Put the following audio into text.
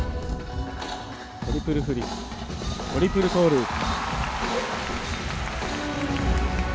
トリプルフリップトリプルトウループ。